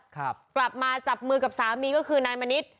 กลับมาจับมือกับสามีก็คือนายมณิษฐ์